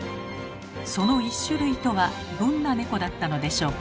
その１種類とはどんな猫だったのでしょうか？